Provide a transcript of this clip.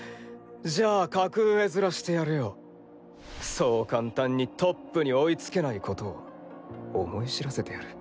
じゃあ格上ヅラしてやるよ。そう簡単にトップに追いつけないことを思い知らせてやる。